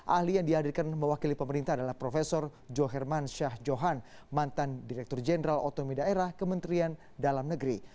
ahli yang dihadirkan mewakili pemerintah adalah prof joherman syah johan mantan direktur jenderal otomi daerah kementerian dalam negeri